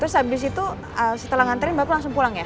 terus abis itu setelah ngantarin bapak langsung pulang ya